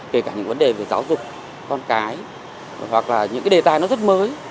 kể cả những vấn đề về giáo dục con cái hoặc là những cái đề tài nó rất mới